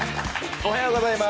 おはようございます。